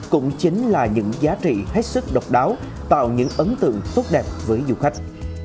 cũng chính là những giá trị hết sức độc đáo tạo những ấn tượng tốt đẹp với du khách